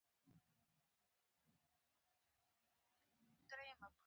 ګلاب د خیالونو ملګری دی.